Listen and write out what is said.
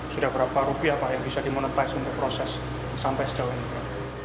sudah berapa rupiah pak yang bisa dimonetize untuk proses sampai sejauh ini pak